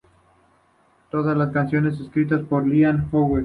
Todas las canciones escritas por Liam Howlett.